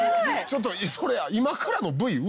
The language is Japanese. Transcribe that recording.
ちょっとそれ。